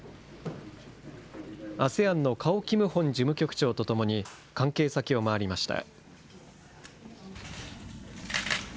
ＡＳＥＡＮのカオ・キムホン事務局長とともに、関係先を回りました。